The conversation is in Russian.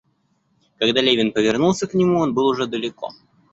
Когда Левин повернулся к нему, он был уже далеко.